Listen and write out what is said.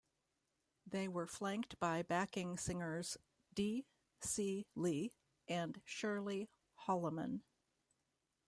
They were flanked by backing singers Dee C. Lee and Shirlie Holliman.